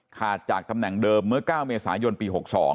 จากตำแหน่งเดิมเมื่อ๙เมษายนปี๖๒